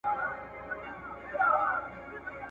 تاسو باید په خپلو منځونو کې نفاق ته اجازه ورنکړئ.